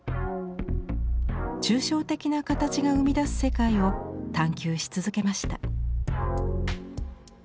抽象的な形が生み出す世界を探求し続けました。